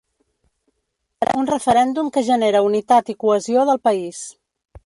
Un referèndum que genera unitat i cohesió del país.